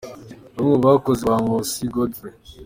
Bamwe mu bakoze ba Nkusi Godfrey.